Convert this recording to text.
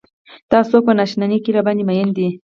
دا څوک په نا اشنايۍ کې راباندې مينه ده.